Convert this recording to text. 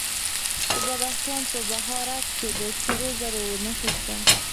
د بدخشان په بهارک کې د سرو زرو نښې شته.